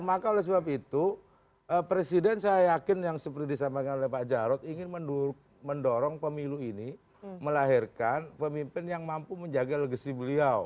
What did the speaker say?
maka oleh sebab itu presiden saya yakin yang seperti disampaikan oleh pak jarod ingin mendorong pemilu ini melahirkan pemimpin yang mampu menjaga legasi beliau